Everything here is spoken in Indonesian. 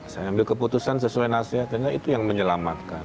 saya ambil keputusan sesuai nasihatnya itu yang menyelamatkan